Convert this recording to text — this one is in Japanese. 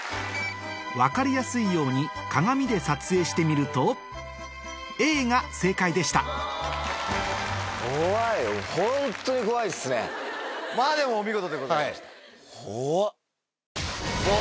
分かりやすいように鏡で撮影してみるとＡが正解でしたまぁでもお見事でございました。